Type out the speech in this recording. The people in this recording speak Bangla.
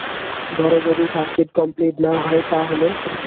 ধরো যদি সার্কিট কমপ্লিট না হয় তা হলে?